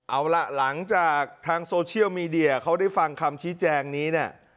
เอาล่ะหลังจากทางโซเชียลมีเดียเขาได้ฟังคำชี้แจงนี้เนี่ย